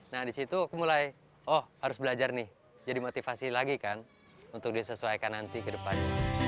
nah disitu aku mulai oh harus belajar nih jadi motivasi lagi kan untuk disesuaikan nanti ke depan